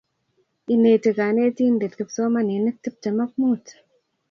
Ineti kanetindet kipsomaninik tiptem ak muut.